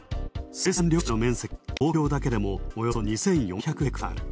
生産緑地の面積は東京だけでもおよそ２４００ヘクタール。